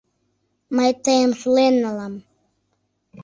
Мый тыйым сулен налам.